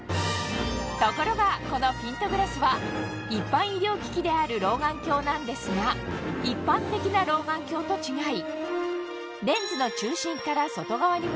ところがこのピントグラスはである老眼鏡なんですが一般的な老眼鏡と違い